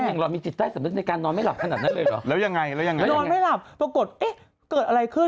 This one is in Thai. มันยังมีจิตใจสำนึกในการนอนไม่หลับขนาดนั้นเลยหรือ